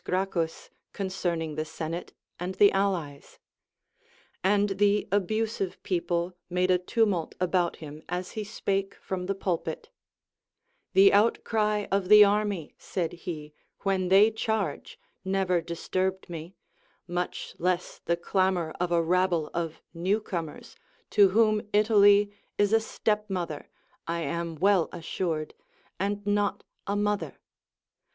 Gracchus con cerning the senate and the allies ; and the abusive people made a tumult about him as he spake from the pulpit ; The outcry of the army, said he, when they charge, never disturbed me, much less the clamor of a rabble of new comers, to whom Italy is a step mother (I am well assured) and not a mother.